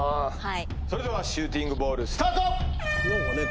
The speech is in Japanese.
それではシューティングボールスタート！